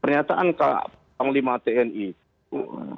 pernyataan panglima tni itu